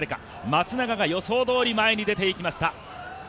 松永が予想どおり前に出て行きました。